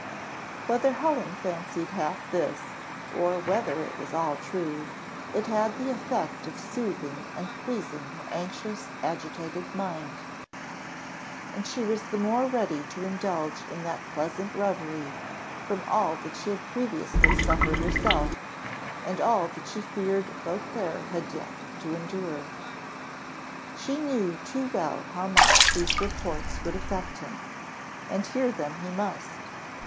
Whether Helen fancied half this, or whether it was all true, it had the effect of soothing and pleasing her anxious, agitated mind; and she was the more ready to indulge in that pleasant reverie, from all that she had previously suffered herself, and all that she feared Beauclerc had yet to endure. She knew too well how much these reports would affect him and hear them he must.